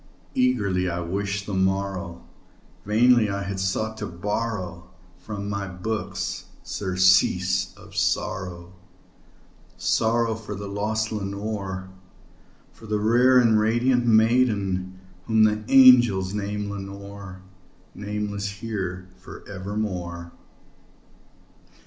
Eagerly I wished the morrow; vainly I had sought to borrow From my books surcease of sorrow sorrow for the lost Lenore For the rare and radiant maiden whom the angels name Lenore Nameless here for evermore.